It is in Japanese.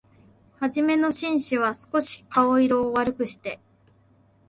はじめの紳士は、すこし顔色を悪くして、